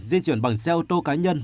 di chuyển bằng xe ô tô cá nhân